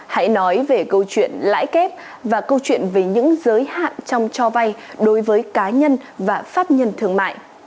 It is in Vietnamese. hãy nói về câu chuyện lãi kép và câu chuyện về những giới hạn trong cho vay đối với cá nhân và pháp nhân thương mại